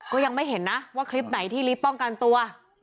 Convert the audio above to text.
ก็ยังไม่เห็นนะว่าคลิปไหนที่ลิฟต์ป้องกันตัว